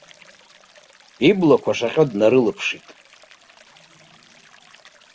Иблақәа шаҟьо днарылаԥшит.